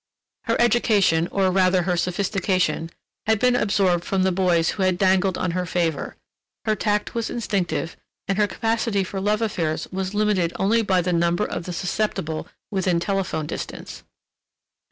Her education or, rather, her sophistication, had been absorbed from the boys who had dangled on her favor; her tact was instinctive, and her capacity for love affairs was limited only by the number of the susceptible within telephone distance.